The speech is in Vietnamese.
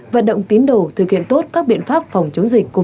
và động tín đầu thực hiện tốt các biện pháp phòng chống dịch covid một mươi chín